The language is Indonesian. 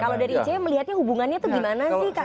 kalau dari icm melihatnya hubungannya tuh gimana sih kak